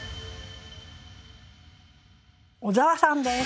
小沢さんです。